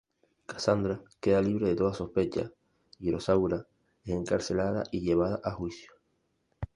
Kassandra queda libre de toda sospecha y Rosaura es encarcelada y llevada a juicio.